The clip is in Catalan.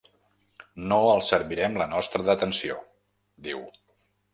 No els servirem la nostra detenció— diu.